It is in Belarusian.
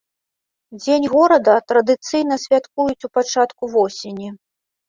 Дзень горада традыцыйна святкуюць у пачатку восені.